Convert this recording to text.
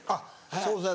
そうですね